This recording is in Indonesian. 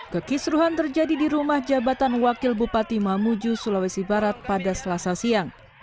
kekisruhan terjadi di rumah jabatan wakil bupati mamuju sulawesi barat pada selasa siang